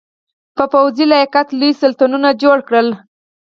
په پوځي لیاقت یې لوی سلطنتونه جوړ کړل.